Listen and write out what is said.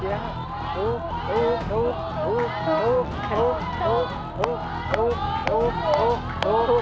เพราะว่าตลาดไทยนะครับมีพื้นที่มากกว่าตลาด๔มุมเมืองนะครับ